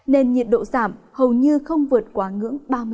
nên nhiệt độ giảm hầu như không vượt quá ngưỡng ba mươi hai độ